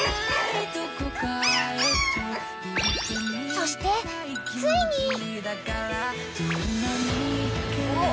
［そしてついに］おっ。